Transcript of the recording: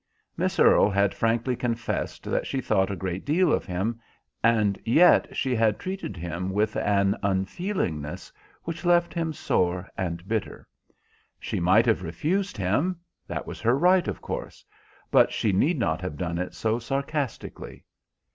Miss Earle had frankly confessed that she thought a great deal of him, and yet she had treated him with an unfeelingness which left him sore and bitter. She might have refused him; that was her right, of course. But she need not have done it so sarcastically.